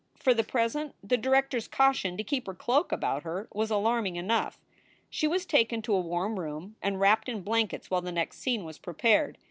For the present, the director s caution to keep her cloak about her was alarming enough. She was taken to a warm room and WTapped in blankets while the next scene was prepared.